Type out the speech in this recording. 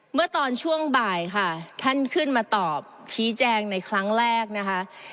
เมื่อตอนช่วงบ่ายค่ะท่านขึ้นมาตอบชี้แจงในครั้งแรกนะคะ